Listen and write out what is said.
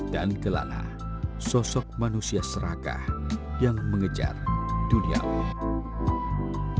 dan kelana sosok manusia serakah yang mengejar duniawi